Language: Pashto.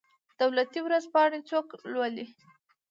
دولتي ورځپاڼې څوک لوالي؟